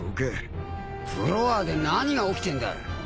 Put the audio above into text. フロアで何が起きてんだ？